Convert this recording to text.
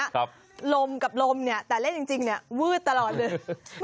ลมกับลมเนี่ยแต่เล่นจริงเนี่ยวืดตลอดเลย